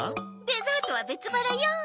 デザートは別腹よ。